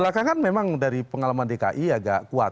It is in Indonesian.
belakangan memang dari pengalaman dki agak kuat